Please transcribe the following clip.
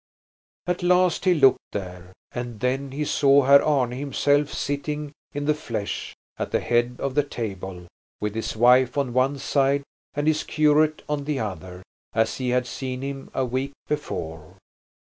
At last he looked there, and then he saw Herr Arne himself sitting in the flesh at the head of the table with his wife on one side and his curate on the other, as he had seen him a week before.